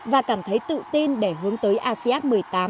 và cảm thấy tự tin để hướng tới asean một mươi tám